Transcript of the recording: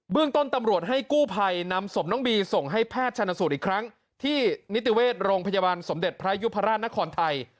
เรื่องต้นตำรวจให้กู้ภัยนำศพน้องบีส่งให้แพทย์ชนสูตรอีกครั้งที่นิติเวชโรงพยาบาลสมเด็จพระยุพราชนครไทย